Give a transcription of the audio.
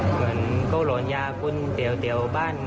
เขาหลอนยากุลเป็นเด่ะบ้าน